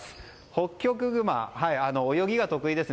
ホッキョクグマ、泳ぎが得意です。